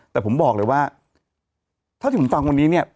แต่ผมบอกเลยว่าเท่าที่ผมฟังวันนี้เนี่ย